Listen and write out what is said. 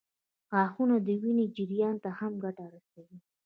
غاښونه د وینې جریان ته هم ګټه رسوي.